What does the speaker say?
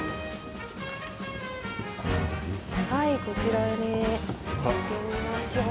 はいこちらで見てみましょう。